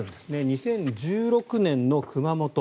２０１６年の熊本。